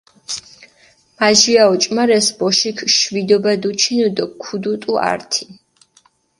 მაჟირა ოჭუმარეს ბოშიქ შვიდობა დუჩინუ დო ქუდუტუ ართი